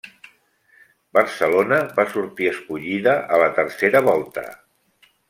Barcelona va sortir escollida a la tercera volta.